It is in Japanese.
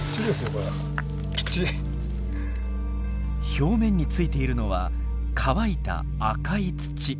表面についているのは乾いた赤い土。